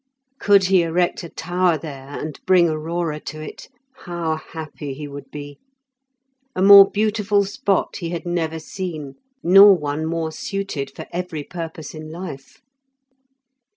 Could he erect a tower there, and bring Aurora to it, how happy he would be! A more beautiful spot he had never seen, nor one more suited for every purpose in life.